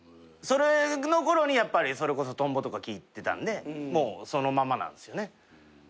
それのころにそれこそ『とんぼ』とか聴いてたんでもうそのままなんすよね。